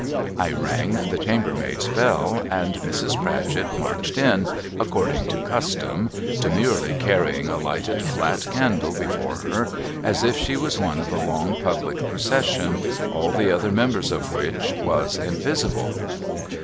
I rang the chambermaid's bell ; and Mrs. Pratchett marched in, according to custom, demurely carrying a lighted flat candle before her, as if she was one of a long ptlblic procession, all the other members of which was invisible.